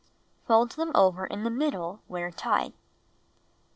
Fold them over in the middle where tied.